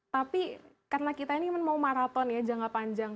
tapi karena kita ini mau maraton ya jangka panjang